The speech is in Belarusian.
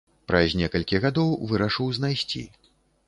Праз некалькі гадоў вырашыў знайсці.